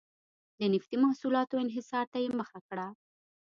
د نفتي محصولاتو انحصار ته یې مخه کړه.